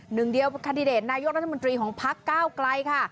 หนึ่งเดียวคาดิเดตนายกรัฐมนตรีของพักก้าวไกลค่ะ